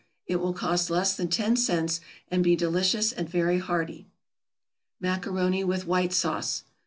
It will cost less than ten cents, and be delicious and very hearty. =Macaroni with White Sauce.